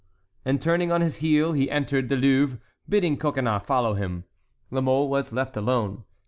And turning on his heel, he entered the Louvre, bidding Coconnas follow him. La Mole was left alone.